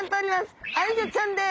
アイギョちゃんです。